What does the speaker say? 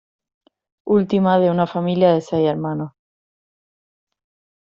Última de una familia de seis hermanos.